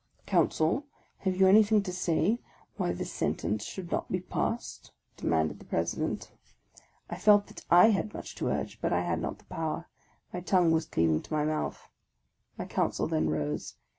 " Counsel, have you anything to say why this sentence should not be passed? " demanded the President. I felt that / had much to urge, but I had not the power, — my tongue was cleaving to my mouth. My counsel then rose.